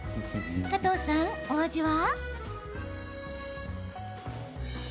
加藤さん、お味は？